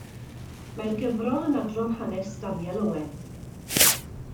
Mae'r gyfrol yn adrodd hanes Daniel Owen.